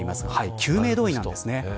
救命胴衣なんです。